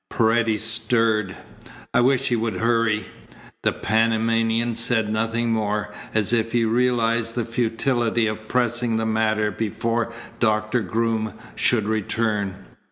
Paredes stirred. "I wish he would hurry." The Panamanian said nothing more, as if he realized the futility of pressing the matter before Doctor Groom should return.